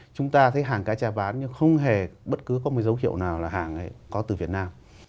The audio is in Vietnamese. chúng ta thấy hàng ca cha bán nhưng không hề bất cứ có một dấu hiệu nào là hàng ấy có từ việt nam